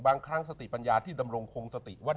บางครั้งสติปัญญาที่ดำรงคงสติว่า